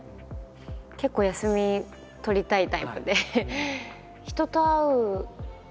結構休み取りたいタイプで。